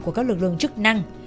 của các lực lượng chức năng